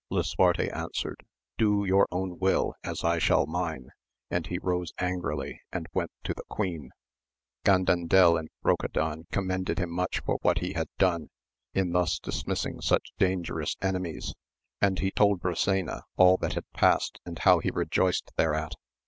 Lisuarte answered, Do your own will as I shall mine, and he rose angrily and went to the queen. Gandandel and Brocadan commended him much for what he had done in thus dismissing such dan gerous enemies, and he told Brisena all that had passed, and how he rejoiced thereat.